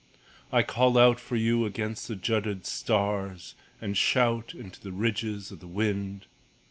I call out for you against the jutted stars And shout into the ridges of the wind.